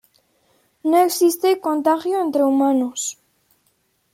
No existe contagio entre humanos.